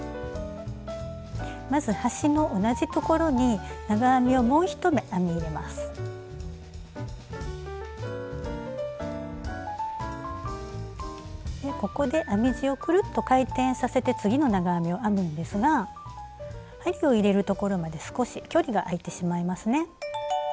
まず端の同じところにここで編み地をくるっと回転させて次の長編みを編むんですが針を入れるところまで少し距離が開いてしまいますね。